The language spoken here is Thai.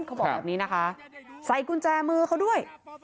เขาบอกแบบนี้นะคะใส่กุญแจมือเขาด้วย